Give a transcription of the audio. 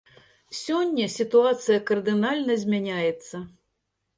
Сёння сітуацыя кардынальна змяняецца.